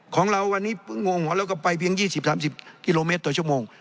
ของเราวันนี้เพิ่งงงหมอแล้วก็ไปเพียง๒๐๓๐กิโลเมตรต่อชั่วโมง